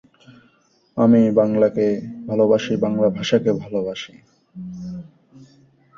তিনি ষাটের দশকের পশ্চিমবঙ্গের প্রখ্যাত চলচ্চিত্র পরিচালক।